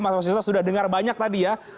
mas wasisto sudah dengar banyak tadi ya